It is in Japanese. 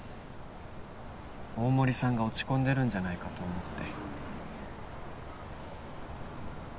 大森さんが落ち込んでるんじゃないかと思って